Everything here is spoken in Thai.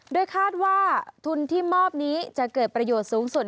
โดยคาดว่าทุนที่มอบนี้จะเกิดประโยชน์สูงสุด